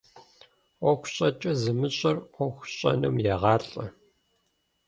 Iуэху щIэкIэ зымыщIэр Iуэху щIэным егъалIэ.